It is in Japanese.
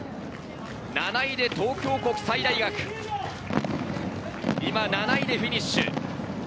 ７位で東京国際大学、７位でフィニッシュ。